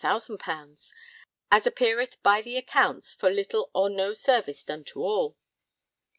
_, as appeareth by the accounts, for little or no service done at all.'